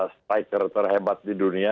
striker terhebat di dunia